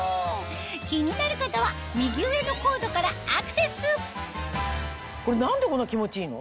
気になる方は右上のコードからアクセスこれ何でこんな気持ちいいの？